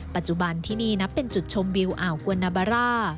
ปัจจุบันที่นี่นับเป็นจุดชมวิวอ่าวกวนนาบาร่า